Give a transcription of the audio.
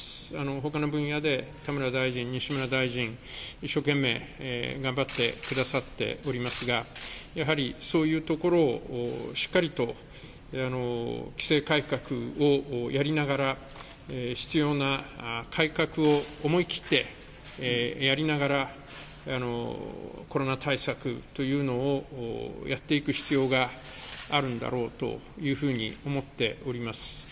ほかの分野で田村大臣、西村大臣、一生懸命頑張ってくださっておりますが、やはりそういうところをしっかりと、規制改革をやりながら、必要な改革を思いきってやりながら、コロナ対策というのをやっていく必要があるんだろうというふうに思っております。